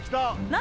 何？